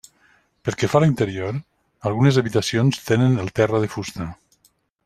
Pel que fa a l'interior, algunes habitacions tenen el terra de fusta.